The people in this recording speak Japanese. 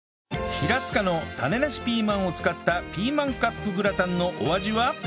平塚の種なしピーマンを使ったピーマンカップグラタンのお味は？